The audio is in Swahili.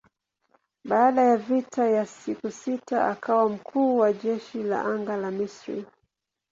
Baada ya vita ya siku sita akawa mkuu wa jeshi la anga la Misri.